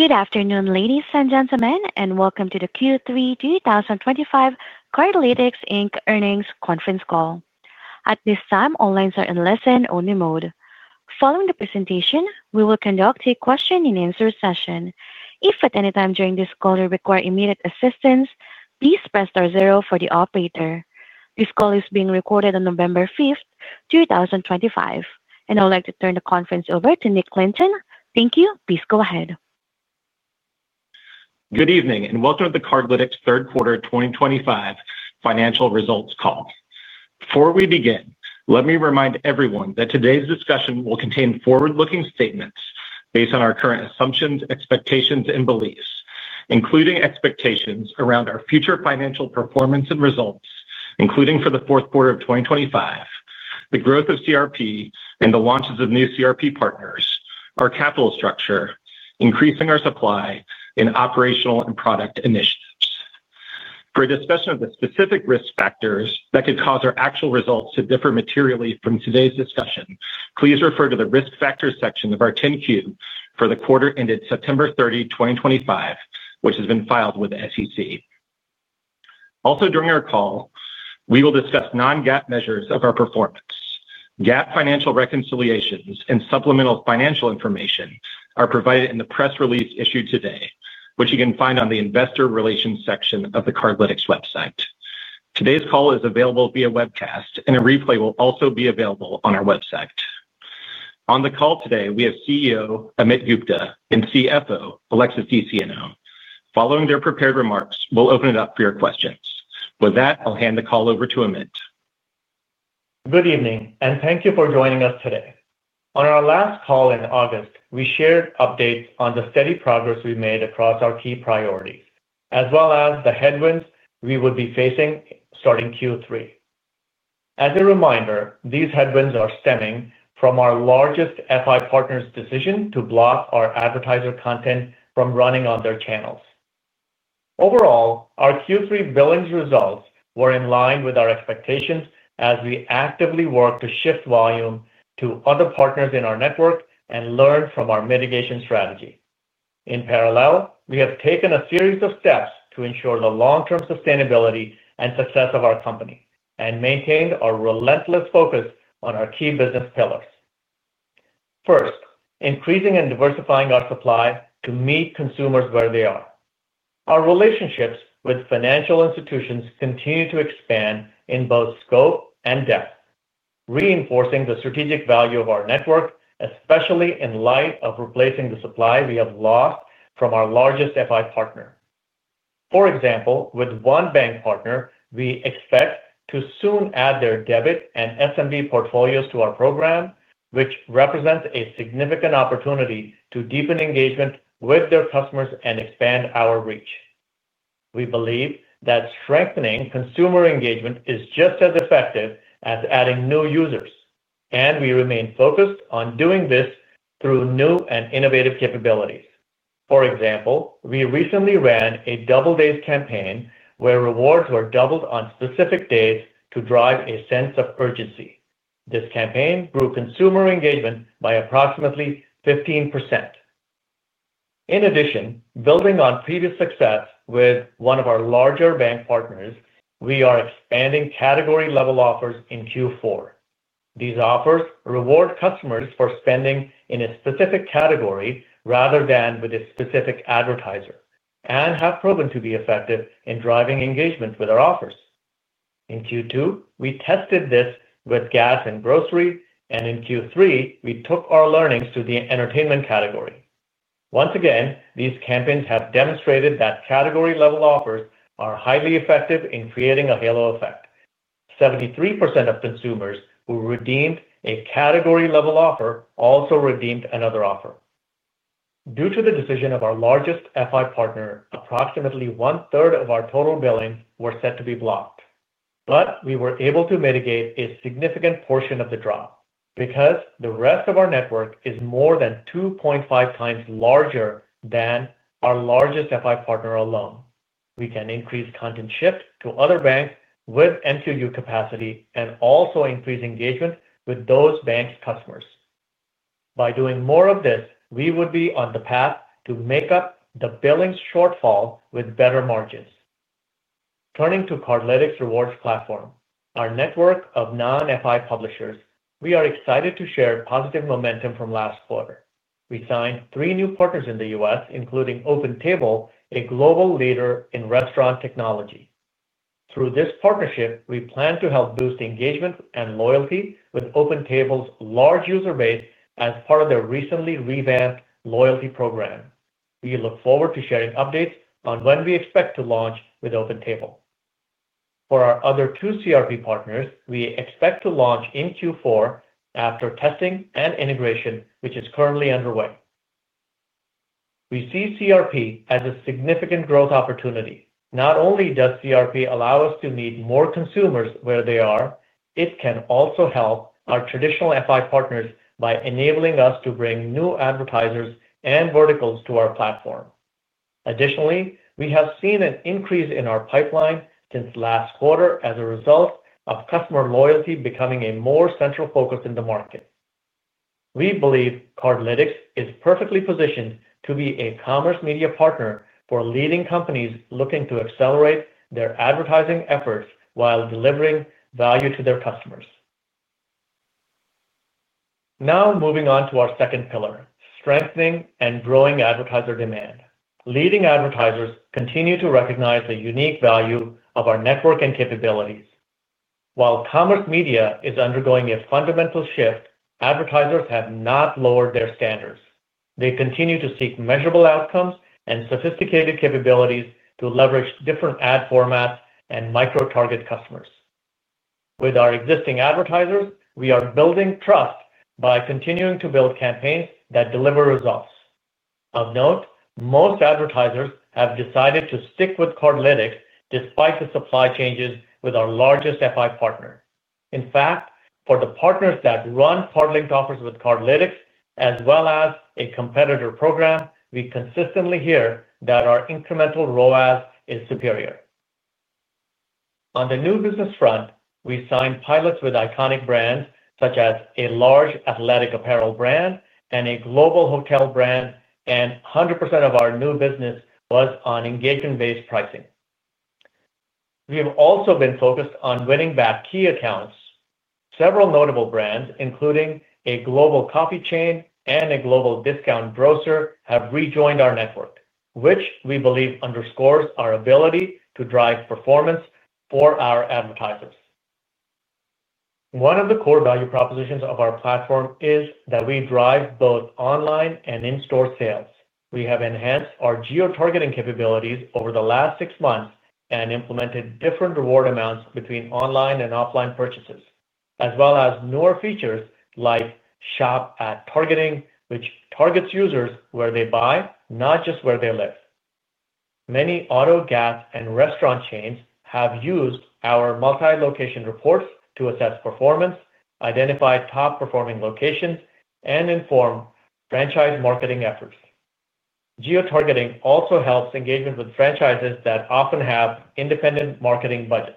Good afternoon, ladies and gentlemen, and welcome to the Q3 2025 Cardlytics, Inc Earnings Conference Call. At this time, all lines are in listen-only mode. Following the presentation, we will conduct a question-and-answer session. If at any time during this call you require immediate assistance, please press star zero for the operator. This call is being recorded on November 5th, 2025, and I would like to turn the conference over to Nick Lynton. Thank you. Please go ahead. Good evening and welcome to the Cardlytics third quarter 2025 financial results call. Before we begin, let me remind everyone that today's discussion will contain forward-looking statements based on our current assumptions, expectations, and beliefs, including expectations around our future financial performance and results, including for the Q4 of 2025, the growth of CRP and the launches of new CRP partners, our capital structure, increasing our supply, and operational and product initiatives. For a discussion of the specific risk factors that could cause our actual results to differ materially from today's discussion, please refer to the risk factors section of our 10-Q for the quarter ended September 30, 2025, which has been filed with the SEC. Also, during our call, we will discuss non-GAAP measures of our performance. GAAP financial reconciliations and supplemental financial information are provided in the press release issued today, which you can find on the investor relations section of the Cardlytics website. Today's call is available via webcast, and a replay will also be available on our website. On the call today, we have CEO Amit Gupta and CFO Alexis DeSieno. Following their prepared remarks, we'll open it up for your questions. With that, I'll hand the call over to Amit. Good evening, and thank you for joining us today. On our last call in August, we shared updates on the steady progress we made across our key priorities, as well as the headwinds we would be facing starting Q3. As a reminder, these headwinds are stemming from our largest FI partner's decision to block our advertiser content from running on their channels. Overall, our Q3 billings results were in line with our expectations as we actively worked to shift volume to other partners in our network and learn from our mitigation strategy. In parallel, we have taken a series of steps to ensure the long-term sustainability and success of our company and maintained our relentless focus on our key business pillars. First, increasing and diversifying our supply to meet consumers where they are. Our relationships with financial institutions continue to expand in both scope and depth, reinforcing the strategic value of our network, especially in light of replacing the supply we have lost from our largest FI partner. For example, with one bank partner, we expect to soon add their debit and SMB portfolios to our program, which represents a significant opportunity to deepen engagement with their customers and expand our reach. We believe that strengthening consumer engagement is just as effective as adding new users, and we remain focused on doing this through new and innovative capabilities. For example, we recently ran a Double Days campaign where rewards were doubled on specific days to drive a sense of urgency. This campaign grew consumer engagement by approximately 15%. In addition, building on previous success with one of our larger bank partners, we are expanding category-level offers in Q4. These offers reward customers for spending in a specific category rather than with a specific advertiser and have proven to be effective in driving engagement with our offers. In Q2, we tested this with gas and grocery, and in Q3, we took our learnings to the entertainment category. Once again, these campaigns have demonstrated that category-level offers are highly effective in creating a halo effect. 73% of consumers who redeemed a category-level offer also redeemed another offer. Due to the decision of our largest FI partner, approximately one-third of our total billings were set to be blocked, but we were able to mitigate a significant portion of the drop because the rest of our network is more than 2.5x larger than our largest FI partner alone. We can increase content shipped to other banks with MQU capacity and also increase engagement with those banks' customers. By doing more of this, we would be on the path to make up the billing shortfall with better margins. Turning to Cardlytics Rewards Platform, our network of non-FI publishers, we are excited to share positive momentum from last quarter. We signed three new partners in the U.S., including OpenTable, a global leader in restaurant technology. Through this partnership, we plan to help boost engagement and loyalty with OpenTable's large user base as part of their recently revamped loyalty program. We look forward to sharing updates on when we expect to launch with OpenTable. For our other two CRP partners, we expect to launch in Q4 after testing and integration, which is currently underway. We see CRP as a significant growth opportunity. Not only does CRP allow us to meet more consumers where they are, it can also help our traditional FI partners by enabling us to bring new advertisers and verticals to our platform. Additionally, we have seen an increase in our pipeline since last quarter as a result of customer loyalty becoming a more central focus in the market. We believe Cardlytics is perfectly positioned to be a commerce media partner for leading companies looking to accelerate their advertising efforts while delivering value to their customers. Now, moving on to our second pillar, strengthening and growing advertiser demand. Leading advertisers continue to recognize the unique value of our network and capabilities. While commerce media is undergoing a fundamental shift, advertisers have not lowered their standards. They continue to seek measurable outcomes and sophisticated capabilities to leverage different ad formats and micro-target customers. With our existing advertisers, we are building trust by continuing to build campaigns that deliver results. Of note, most advertisers have decided to stick with Cardlytics despite the supply changes with our largest FI partner. In fact, for the partners that run Cardlytics offers with Cardlytics, as well as a competitor program, we consistently hear that our incremental ROAS is superior. On the new business front, we signed pilots with iconic brands such as a large athletic apparel brand and a global hotel brand, and 100% of our new business was on engagement-based pricing. We have also been focused on winning back key accounts. Several notable brands, including a global coffee chain and a global discount grocer, have rejoined our network, which we believe underscores our ability to drive performance for our advertisers. One of the core value propositions of our platform is that we drive both online and in-store sales. We have enhanced our geo-targeting capabilities over the last six months and implemented different reward amounts between online and offline purchases, as well as newer features like Shop-At Targeting, which targets users where they buy, not just where they live. Many auto, gas, and restaurant chains have used our multi-location reports to assess performance, identify top-performing locations, and inform franchise marketing efforts. Geo-targeting also helps engagement with franchises that often have independent marketing budgets.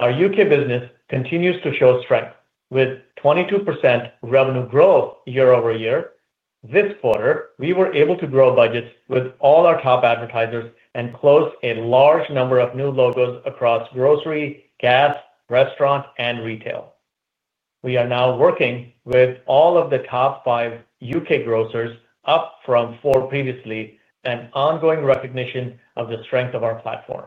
Our U.K. business continues to show strength. With 22% revenue growth year over year, this quarter, we were able to grow budgets with all our top advertisers and close a large number of new logos across grocery, gas, restaurant, and retail. We are now working with all of the top five U.K. grocers, up from four previously, and ongoing recognition of the strength of our platform.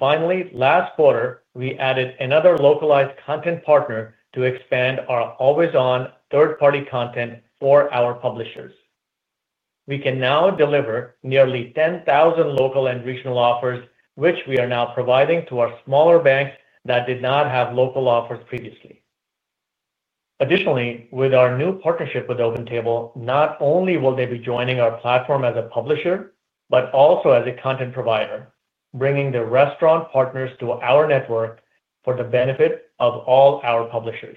Finally, last quarter, we added another localized content partner to expand our always-on third-party content for our publishers. We can now deliver nearly 10,000 local and regional offers, which we are now providing to our smaller banks that did not have local offers previously. Additionally, with our new partnership with OpenTable, not only will they be joining our platform as a publisher, but also as a content provider, bringing the restaurant partners to our network for the benefit of all our publishers.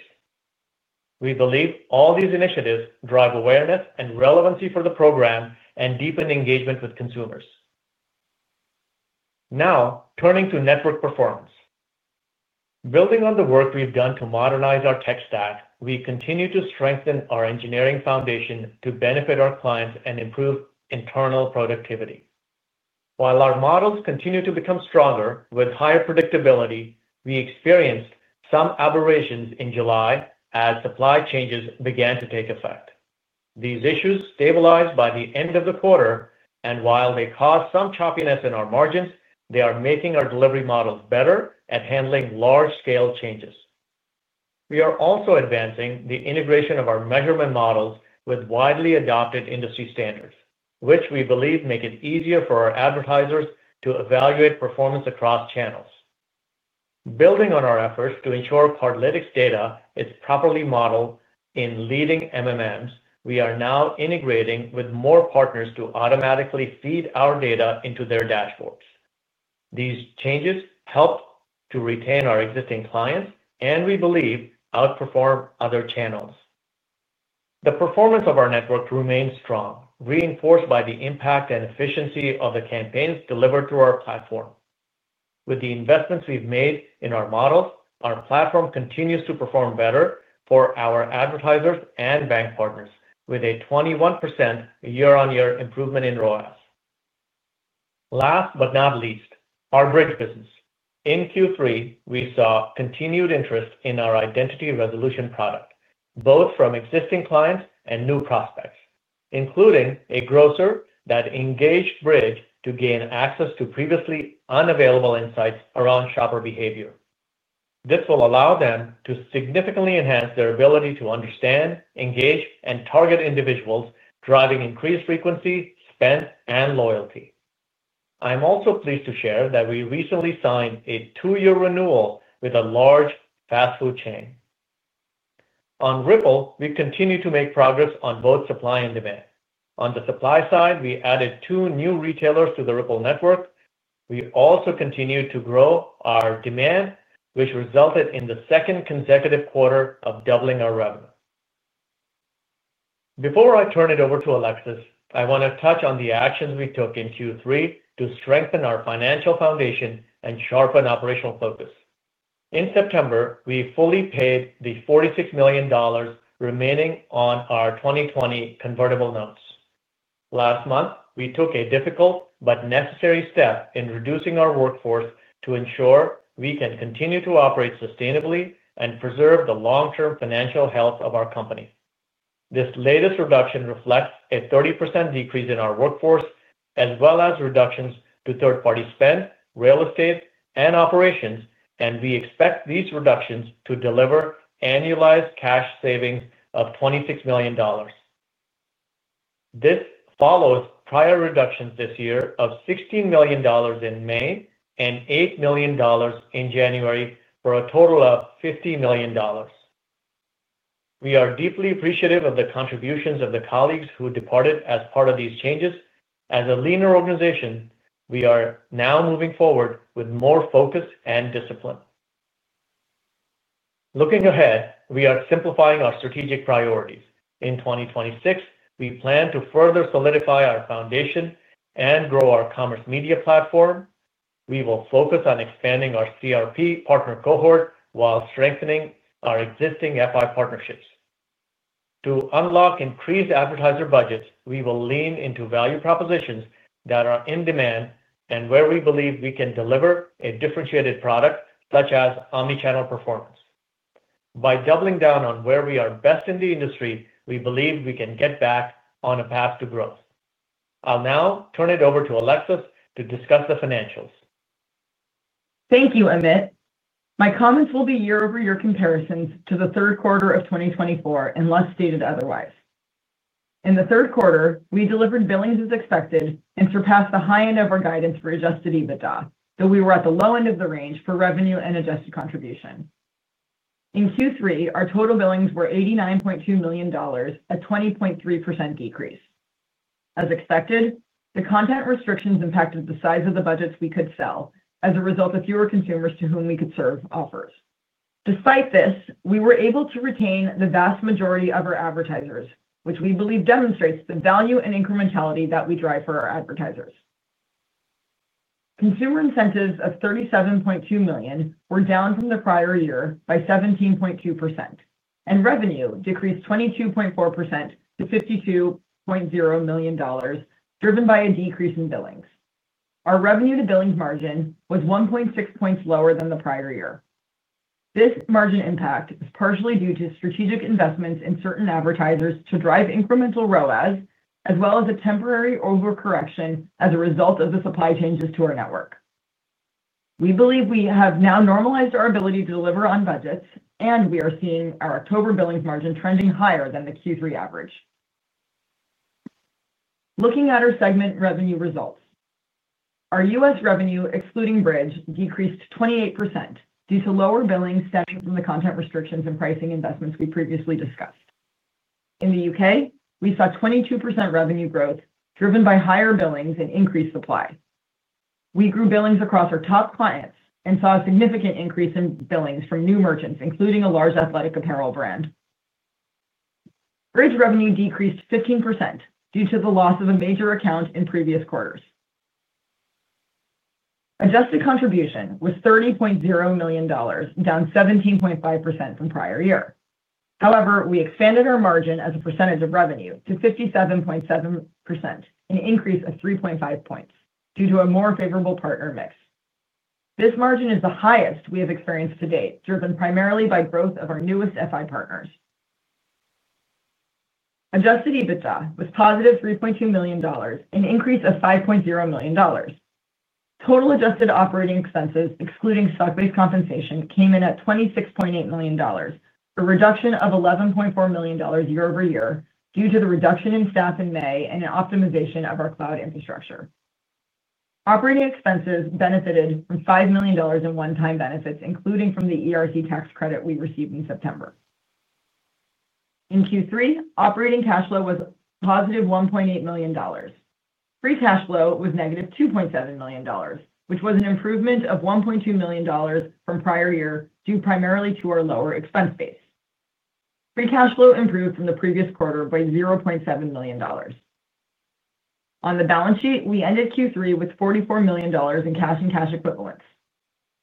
We believe all these initiatives drive awareness and relevancy for the program and deepen engagement with consumers. Now, turning to network performance. Building on the work we've done to modernize our tech stack, we continue to strengthen our engineering foundation to benefit our clients and improve internal productivity. While our models continue to become stronger with higher predictability, we experienced some aberrations in July as supply changes began to take effect. These issues stabilized by the end of the quarter, and while they caused some choppiness in our margins, they are making our delivery models better at handling large-scale changes. We are also advancing the integration of our measurement models with widely adopted industry standards, which we believe make it easier for our advertisers to evaluate performance across channels. Building on our efforts to ensure Cardlytics data is properly modeled in leading MMMs, we are now integrating with more partners to automatically feed our data into their dashboards. These changes help to retain our existing clients, and we believe outperform other channels. The performance of our network remains strong, reinforced by the impact and efficiency of the campaigns delivered through our platform. With the investments we've made in our models, our platform continues to perform better for our advertisers and bank partners, with a 21% year-on-year improvement in ROAS. Last but not least, our Bridg business. In Q3, we saw continued interest in our identity resolution product, both from existing clients and new prospects, including a grocer that engaged Bridg to gain access to previously unavailable insights around shopper behavior. This will allow them to significantly enhance their ability to understand, engage, and target individuals, driving increased frequency, spend, and loyalty. I'm also pleased to share that we recently signed a two-year renewal with a large fast food chain. On Rippl, we continue to make progress on both supply and demand. On the supply side, we added two new retailers to the Rippl network. We also continue to grow our demand, which resulted in the second consecutive quarter of doubling our revenue. Before I turn it over to Alexis, I want to touch on the actions we took in Q3 to strengthen our financial foundation and sharpen operational focus. In September, we fully paid the $46 million remaining on our 2020 convertible notes. Last month, we took a difficult but necessary step in reducing our workforce to ensure we can continue to operate sustainably and preserve the long-term financial health of our company. This latest reduction reflects a 30% decrease in our workforce, as well as reductions to third-party spend, real estate, and operations, and we expect these reductions to deliver annualized cash savings of $26 million. This follows prior reductions this year of $16 million in May and $8 million in January, for a total of $50 million. We are deeply appreciative of the contributions of the colleagues who departed as part of these changes. As a leaner organization, we are now moving forward with more focus and discipline. Looking ahead, we are simplifying our strategic priorities. In 2026, we plan to further solidify our foundation and grow our commerce media platform. We will focus on expanding our CRP partner cohort while strengthening our existing FI partnerships. To unlock increased advertiser budgets, we will lean into value propositions that are in demand and where we believe we can deliver a differentiated product such as omnichannel performance. By doubling down on where we are best in the industry, we believe we can get back on a path to growth. I'll now turn it over to Alexis to discuss the financials. Thank you, Amit. My comments will be year-over-year comparisons to the third quarter of 2024, unless stated otherwise. In the third quarter, we delivered billings as expected and surpassed the high end of our guidance for adjusted EBITDA, though we were at the low end of the range for revenue and adjusted contribution. In Q3, our total billings were $89.2 million, a 20.3% decrease. As expected, the content restrictions impacted the size of the budgets we could sell as a result of fewer consumers to whom we could serve offers. Despite this, we were able to retain the vast majority of our advertisers, which we believe demonstrates the value and incrementality that we drive for our advertisers. Consumer incentives of $37.2 million were down from the prior year by 17.2%, and revenue decreased 22.4% to $52.0 million, driven by a decrease in billings. Our revenue-to-billings margin was 1.6 points lower than the prior year. This margin impact is partially due to strategic investments in certain advertisers to drive incremental ROAS, as well as a temporary overcorrection as a result of the supply changes to our network. We believe we have now normalized our ability to deliver on budgets, and we are seeing our October billings margin trending higher than the Q3 average. Looking at our segment revenue results, our U.S. revenue, excluding Bridg, decreased 28% due to lower billings stemming from the content restrictions and pricing investments we previously discussed. In the U.K., we saw 22% revenue growth, driven by higher billings and increased supply. We grew billings across our top clients and saw a significant increase in billings from new merchants, including a large athletic apparel brand. Bridge revenue decreased 15% due to the loss of a major account in previous quarters. Adjusted contribution was $30.0 million, down 17.5% from prior year. However, we expanded our margin as a percentage of revenue to 57.7%, an increase of 3.5 points due to a more favorable partner mix. This margin is the highest we have experienced to date, driven primarily by growth of our newest FI partners. Adjusted EBITDA was +$3.2 million, an increase of $5.0 million. Total adjusted operating expenses, excluding stock-based compensation, came in at $26.8 million, a reduction of $11.4 million year over year due to the reduction in staff in May and an optimization of our cloud infrastructure. Operating expenses benefited from $5 million in one-time benefits, including from the ERC tax credit we received in September. In Q3, operating cash flow was positive $1.8 million. Free cash flow was negative $2.7 million, which was an improvement of $1.2 million from prior year due primarily to our lower expense base. Free cash flow improved from the previous quarter by $0.7 million. On the balance sheet, we ended Q3 with $44 million in cash and cash equivalents.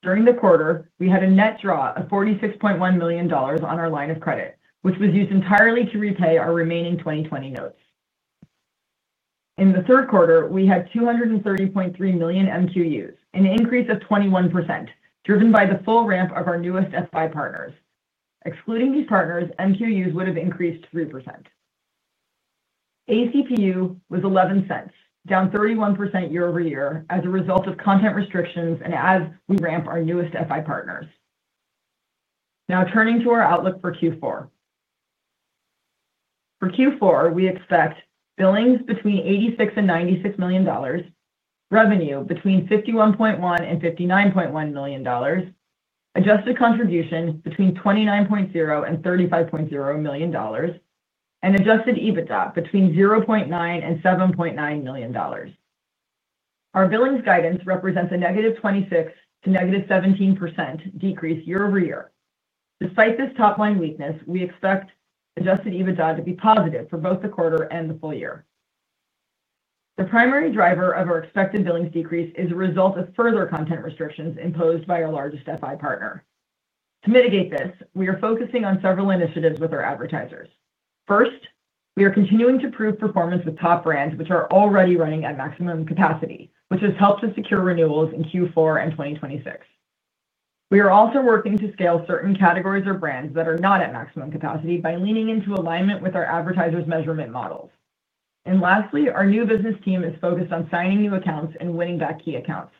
During the quarter, we had a net draw of $46.1 million on our line of credit, which was used entirely to repay our remaining 2020 notes. In the third quarter, we had 230.3 million MQUs, an increase of 21%, driven by the full ramp of our newest FI partners. Excluding these partners, MQUs would have increased 3%. ACPU was $0.11, down 31% year over year as a result of content restrictions and as we ramp our newest FI partners. Now, turning to our outlook for Q4. For Q4, we expect billings between $86 million and $96 million, revenue between $51.1 million and $59.1 million. Adjusted contribution between $29.0 million and $35.0 million, and adjusted EBITDA between $0.9 million and $7.9 million. Our billings guidance represents a -26% to -17% decrease year over year. Despite this top-line weakness, we expect adjusted EBITDA to be positive for both the quarter and the full year. The primary driver of our expected billings decrease is a result of further content restrictions imposed by our largest FI partner. To mitigate this, we are focusing on several initiatives with our advertisers. First, we are continuing to prove performance with top brands, which are already running at maximum capacity, which has helped to secure renewals in Q4 and 2026. We are also working to scale certain categories or brands that are not at maximum capacity by leaning into alignment with our advertisers' measurement models. Lastly, our new business team is focused on signing new accounts and winning back key accounts.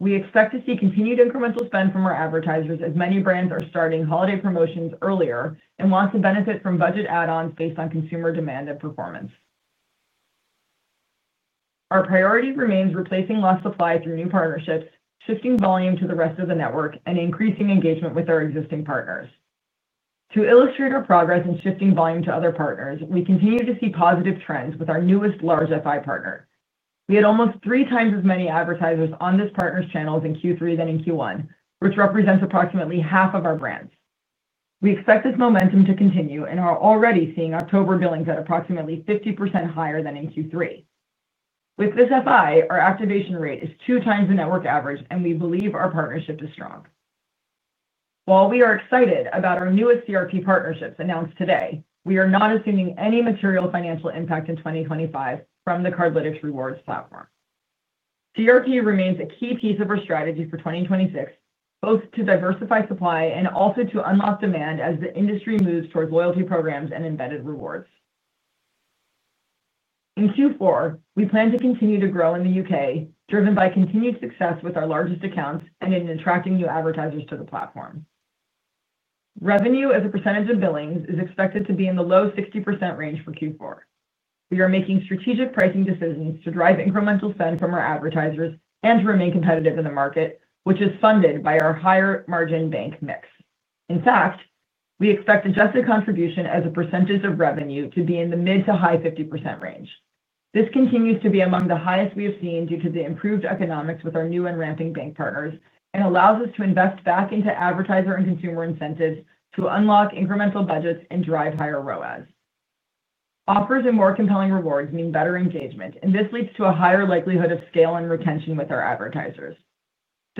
We expect to see continued incremental spend from our advertisers as many brands are starting holiday promotions earlier and want to benefit from budget add-ons based on consumer demand and performance. Our priority remains replacing lost supply through new partnerships, shifting volume to the rest of the network, and increasing engagement with our existing partners. To illustrate our progress in shifting volume to other partners, we continue to see positive trends with our newest large FI partner. We had almost 3x as many advertisers on this partner's channels in Q3 than in Q1, which represents approximately half of our brands. We expect this momentum to continue, and we're already seeing October billings at approximately 50% higher than in Q3. With this FI, our activation rate is 2x the network average, and we believe our partnership is strong. While we are excited about our newest CRP partnerships announced today, we are not assuming any material financial impact in 2025 from the Cardlytics Rewards Platform. CRP remains a key piece of our strategy for 2026, both to diversify supply and also to unlock demand as the industry moves towards loyalty programs and embedded rewards. In Q4, we plan to continue to grow in the U.K., driven by continued success with our largest accounts and in attracting new advertisers to the platform. Revenue as a percentage of billings is expected to be in the low 60% range for Q4. We are making strategic pricing decisions to drive incremental spend from our advertisers and to remain competitive in the market, which is funded by our higher-margin bank mix. In fact, we expect adjusted contribution as a percentage of revenue to be in the mid to high 50% range. This continues to be among the highest we have seen due to the improved economics with our new and ramping bank partners and allows us to invest back into advertiser and consumer incentives to unlock incremental budgets and drive higher ROAS. Offers and more compelling rewards mean better engagement, and this leads to a higher likelihood of scale and retention with our advertisers.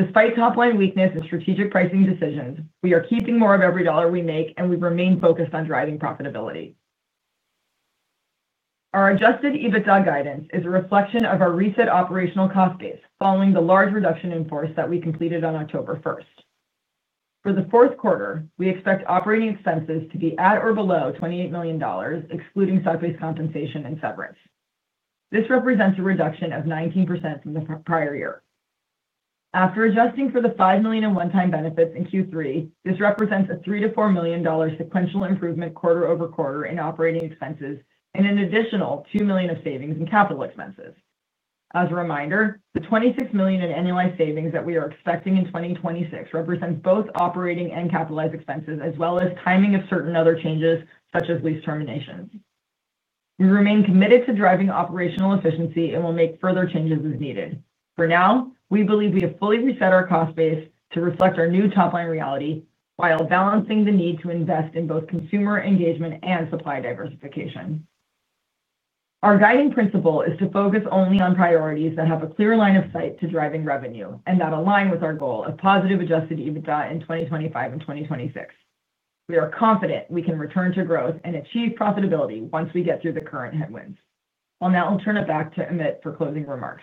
Despite top-line weakness and strategic pricing decisions, we are keeping more of every dollar we make, and we remain focused on driving profitability. Our adjusted EBITDA guidance is a reflection of our reset operational cost base following the large reduction in force that we completed on October 1st. For the fourth quarter, we expect operating expenses to be at or below $28 million, excluding stock-based compensation and severance. This represents a reduction of 19% from the prior year. After adjusting for the $5 million in one-time benefits in Q3, this represents a $3-$4 million sequential improvement quarter over quarter in operating expenses and an additional $2 million of savings in capital expenses. As a reminder, the $26 million in annualized savings that we are expecting in 2026 represents both operating and capitalized expenses, as well as timing of certain other changes, such as lease terminations. We remain committed to driving operational efficiency and will make further changes as needed. For now, we believe we have fully reset our cost base to reflect our new top-line reality while balancing the need to invest in both consumer engagement and supply diversification. Our guiding principle is to focus only on priorities that have a clear line of sight to driving revenue and that align with our goal of positive adjusted EBITDA in 2025 and 2026. We are confident we can return to growth and achieve profitability once we get through the current headwinds. I'll now turn it back to Amit for closing remarks.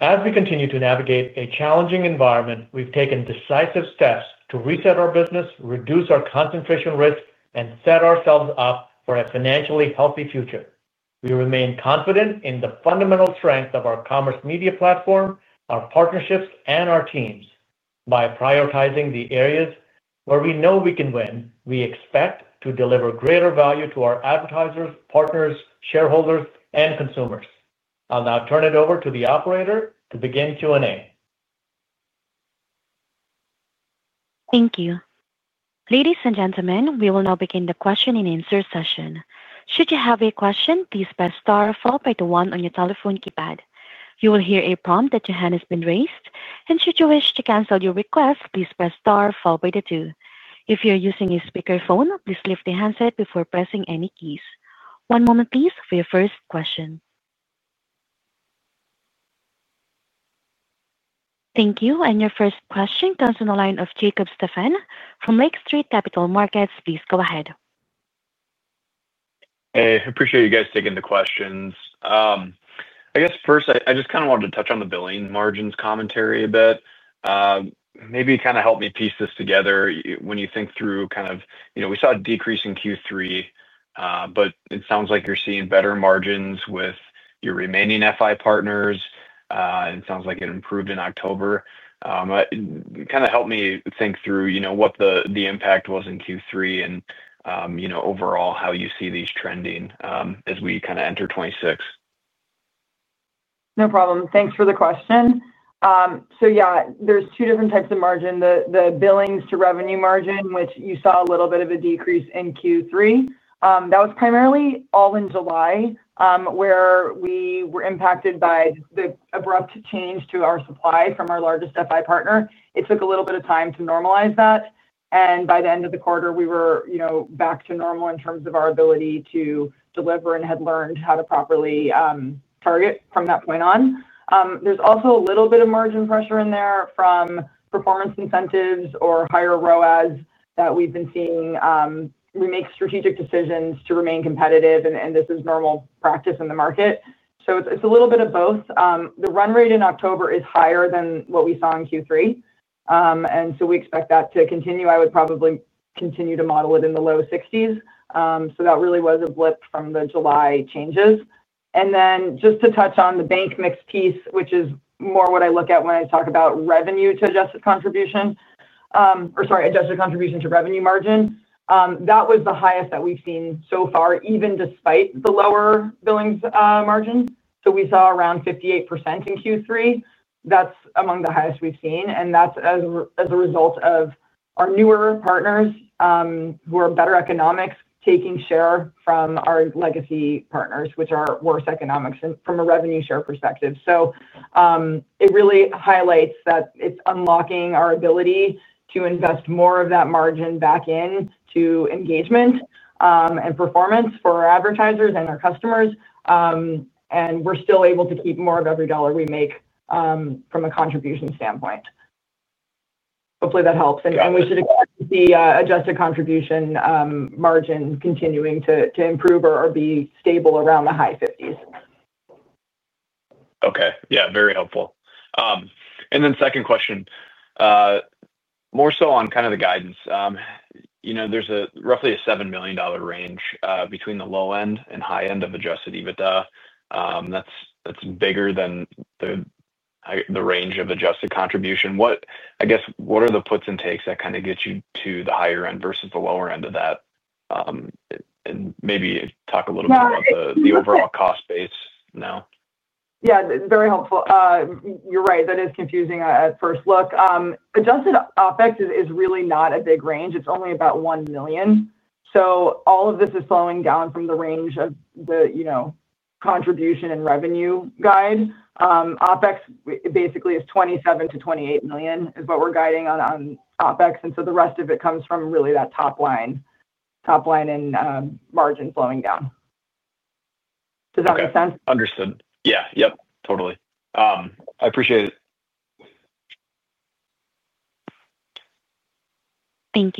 As we continue to navigate a challenging environment, we've taken decisive steps to reset our business, reduce our concentration risk, and set ourselves up for a financially healthy future. We remain confident in the fundamental strength of our commerce media platform, our partnerships, and our teams. By prioritizing the areas where we know we can win, we expect to deliver greater value to our advertisers, partners, shareholders, and consumers. I'll now turn it over to the operator to begin Q&A. Thank you. Ladies and gentlemen, we will now begin the question-and-answer session. Should you have a question, please press star followed by the one on your telephone keypad. You will hear a prompt that your hand has been raised. Should you wish to cancel your request, please press star followed by the two. If you're using a speakerphone, please lift the handset before pressing any keys. One moment, please, for your first question. Thank you. Your first question comes from the line of Jacob Stephan from Lake Street Capital Markets. Please go ahead. Hey, I appreciate you guys taking the questions. I guess first, I just kind of wanted to touch on the billing margins commentary a bit. Maybe kind of help me piece this together when you think through kind of, you know, we saw a decrease in Q3. But it sounds like you're seeing better margins with your remaining FI partners. And it sounds like it improved in October. Kind of help me think through, you know, what the impact was in Q3 and, you know, overall how you see these trending as we kind of enter 2026. No problem. Thanks for the question. So yeah, there's two different types of margin. The billings-to-revenue margin, which you saw a little bit of a decrease in Q3. That was primarily all in July, where we were impacted by the abrupt change to our supply from our largest FI partner. It took a little bit of time to normalize that. By the end of the quarter, we were, you know, back to normal in terms of our ability to deliver and had learned how to properly target from that point on. There is also a little bit of margin pressure in there from performance incentives or higher ROAS that we have been seeing. We make strategic decisions to remain competitive, and this is normal practice in the market. It is a little bit of both. The run rate in October is higher than what we saw in Q3. We expect that to continue. I would probably continue to model it in the low 60s. That really was a blip from the July changes. Just to touch on the bank mix piece, which is more what I look at when I talk about revenue-to-adjusted contribution. Sorry, adjusted contribution to revenue margin. That was the highest that we've seen so far, even despite the lower billings margin. We saw around 58% in Q3. That's among the highest we've seen. That's as a result of our newer partners who are better economics taking share from our legacy partners, which are worse economics from a revenue share perspective. It really highlights that it's unlocking our ability to invest more of that margin back into engagement and performance for our advertisers and our customers. We're still able to keep more of every dollar we make from a contribution standpoint. Hopefully, that helps. We should expect the adjusted contribution margin continuing to improve or be stable around the high 50s. Okay. Yeah, very helpful. Second question, more so on kind of the guidance. You know, there's roughly a $7 million range between the low end and high end of adjusted EBITDA. That's bigger than the range of adjusted contribution. I guess, what are the puts and takes that kind of get you to the higher end versus the lower end of that? And maybe talk a little bit about the overall cost base now. Yeah, very helpful. You're right. That is confusing at first look. Adjusted OpEx is really not a big range. It's only about $1 million. So all of this is flowing down from the range of the, you know, contribution and revenue guide. OpEx basically is $27-$28 million is what we're guiding on OpEx. And so the rest of it comes from really that top line, top line and margin flowing down. Does that make sense? Understood. Yeah. Yep. Totally. I appreciate it. Thank you.